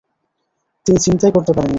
তিনি চিন্তাই করতে পারেন নি।